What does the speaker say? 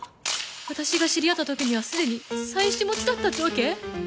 私が知り合った時にはすでに妻子持ちだったってわけ？